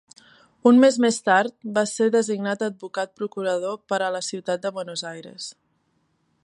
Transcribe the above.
Un mes més tard va ser designat advocat procurador per a la ciutat de Buenos Aires.